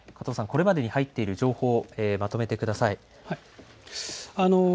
これまでに入っている情報をまとめてください。